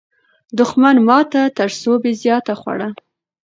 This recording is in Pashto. دښمن ماته تر سوبې زیاته خوړه.